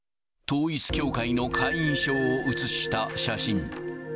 統一教会の会員証を写した写真。